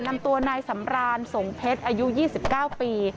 นำตัวนายสำรานสงเพชรอายุ๒๙ปี